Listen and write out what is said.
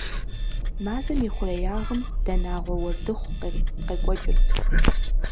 Мазэм и хъуреягъым дэнагъуэ уэрдыхъу къекӀуэкӀырт.